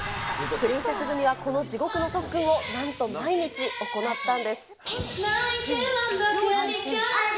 プリンセス組はこの地獄の特訓をなんと毎日行ったんです。